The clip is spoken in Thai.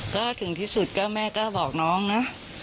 ก็ถึงที่สุดก็แม่ก็บอกน้องนะ